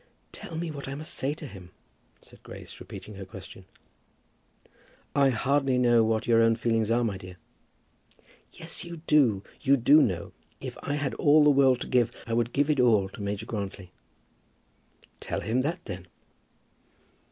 "Tell me what I must say to him?" said Grace, repeating her question. "I hardly know what your own feelings are, my dear." "Yes, you do. You do know. If I had all the world to give, I would give it all to Major Grantly." "Tell him that, then."